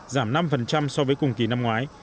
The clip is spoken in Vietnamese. giảm năm so với cùng kỳ năm ngoái